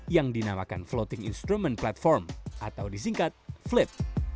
yang dinamakan floating instrument platform atau disingkat flip